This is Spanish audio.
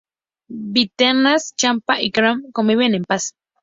Vietnamitas, champa y Khmer conviven en paz.